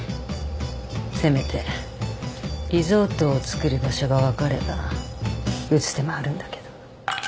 せめてリゾートを造る場所が分かれば打つ手もあるんだけど。